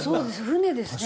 船ですね。